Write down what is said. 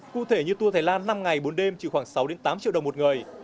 cụ thể như tour thái lan năm ngày bốn đêm chỉ khoảng sáu tám triệu đồng một người